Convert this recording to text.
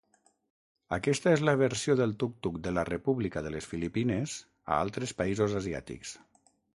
Aquesta és la versió del tuk-tuk de la República de les Filipines a altres països asiàtics.